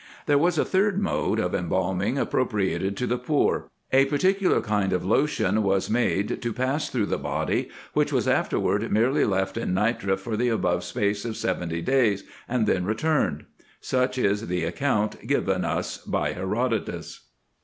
" There was a third mode of embalming, appropriated to the poor. A particular kind of lotion was made to pass through the body, which was afterward merely left in nitre for the above space of seventy days, and then returned." Such is the account given us by Herodotus.